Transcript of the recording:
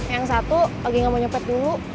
yang satu lagi gak mau nyepet dulu